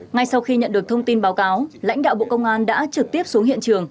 ngay sau khi nhận được thông tin báo cáo lãnh đạo bộ công an đã trực tiếp xuống hiện trường